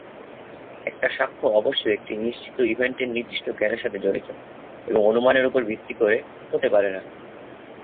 একটা সাক্ষ্য অবশ্যই একটি নিশ্চিত ইভেন্টের নির্দিষ্ট জ্ঞানের সাথে জড়িত, এবং অনুমানের উপর ভিত্তি করে হতে পারে না।